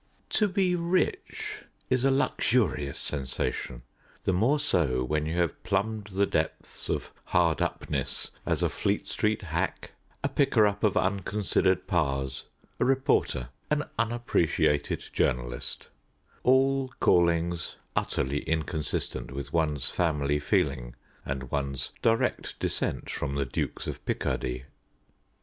_ To be rich is a luxurious sensation the more so when you have plumbed the depths of hard up ness as a Fleet Street hack, a picker up of unconsidered pars, a reporter, an unappreciated journalist all callings utterly inconsistent with one's family feeling and one's direct descent from the Dukes of Picardy.